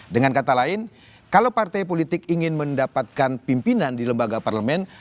dengan kata lain kalau partai politik ingin mendapatkan pimpinan di lembaga parlemen